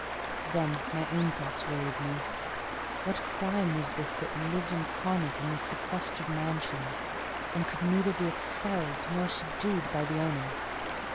Then my own thoughts worried me. What crime was this, that lived incarnate in this sequestered mansion, and could neither be expelled nor subdued by the owner?